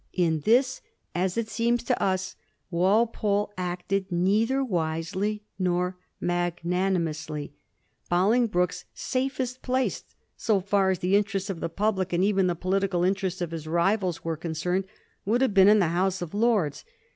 In this, as it seems to us, Walpole acted neither wisely nor magnani mously. Bolingbroke's safest place, so far as the interests of the public, and even the political interests of his rivals, were concerned, would have been in the House of Lords.